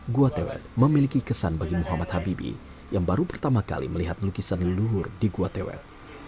gua tewet memiliki kesan bagi muhammad habibie yang baru pertama kali melihat lukisan leluhur di gua tewet